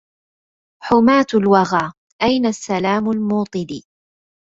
حماة الوغى أين السلام الموطد